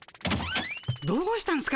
どうしたんすか？